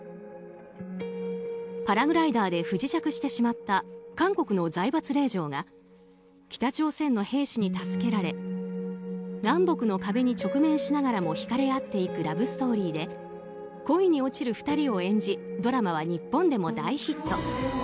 パラグライダーで不時着してしまった韓国の財閥令嬢が北朝鮮の兵士に助けられ南北の壁に直面しながらも引かれ合っていくラブストーリーで恋に落ちる２人を演じドラマは日本でも大ヒット。